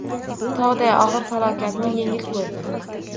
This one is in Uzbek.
Tog‘day og‘ir falokatni yengil ko‘rdi